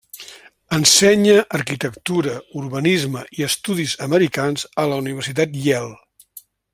Ensenya arquitectura, urbanisme, i estudis americans a la Universitat Yale.